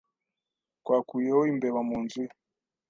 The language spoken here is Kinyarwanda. Twakuyeho imbeba mu nzu ye.